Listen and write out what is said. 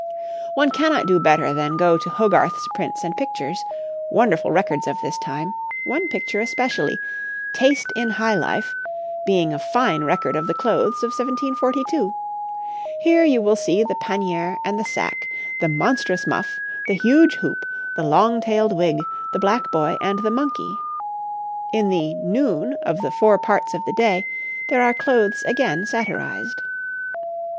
One cannot do better than go to Hogarth's prints and pictures wonderful records of this time one picture especially, 'Taste in High Life,' being a fine record of the clothes of 1742; here you will see the panier and the sacque, the monstrous muff, the huge hoop, the long tailed wig, the black boy and the monkey. In the 'Noon' of the 'Four Parts of the Day' there are clothes again satirized.